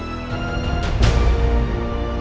aku akan selalu mencintai kamu